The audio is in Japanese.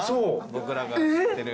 僕らが知ってる。